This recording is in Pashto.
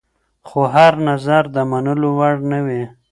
خو هر نظر د منلو وړ نه وي.